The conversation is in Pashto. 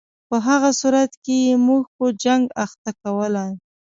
په هغه صورت کې یې موږ په جنګ اخته کولای.